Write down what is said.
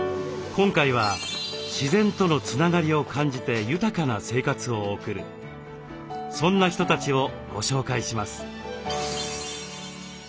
今回は自然とのつながりを感じて豊かな生活を送るそんな人たちをご紹介します。